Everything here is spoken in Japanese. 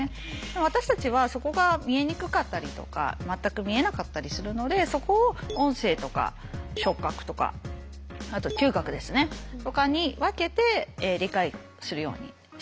私たちはそこが見えにくかったりとか全く見えなかったりするのでそこを音声とか触覚とかあと嗅覚ですねとかに分けて理解するようにしてます。